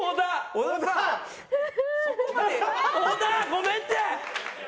ごめんって！